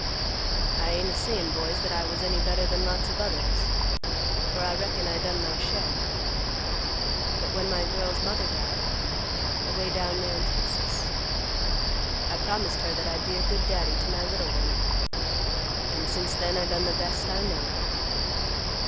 "I ain't a sayin', boys, that I was any better than lots of others, for I reckon I done my share. But when my girl's mother died, away down there in Texas, I promised her that I'd be a good daddy to my little one, and since then I done the best I know.